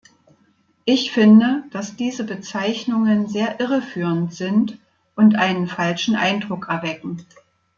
Ich finde, dass diese Bezeichnungen sehr irreführend sind und einen falschen Eindruck erwecken.